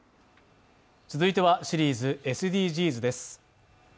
続いてはシリーズ「ＳＤＧｓ」です。